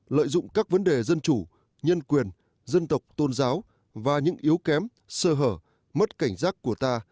lợi dụng các vấn đề dân chủ nhân quyền dân tộc tôn giáo và những yếu kém sơ hở mất cảnh giác của ta